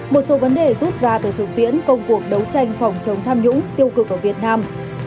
một số vấn đề rút ra từ thực tiễn công cuộc đấu tranh phòng chống tham nhũng tiêu cực ở việt nam